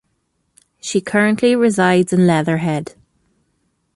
She currently resides in Leatherhead.